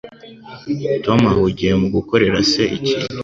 Tom ahugiye mu gukorera se ikintu.